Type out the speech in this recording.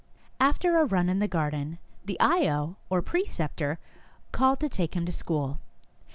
After a run in the garden, the ayo, or pre ceptor, called to take him to school.